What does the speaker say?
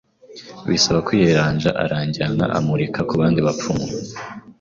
bisaba kwiyeranja aranjyana amurika ku bandi bapfumu